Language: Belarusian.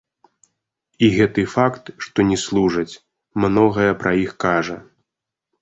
І гэты факт, што не служаць, многае пра іх кажа.